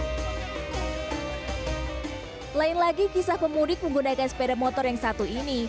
selain lagi kisah pemudik menggunakan sepeda motor yang satu ini